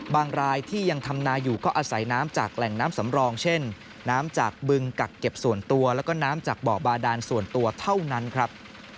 รายที่ยังทำนาอยู่ก็อาศัยน้ำจากแหล่งน้ำสำรองเช่นน้ำจากบึงกักเก็บส่วนตัวแล้วก็น้ำจากเบาะบาดานส่วนตัวเท่านั้นครับ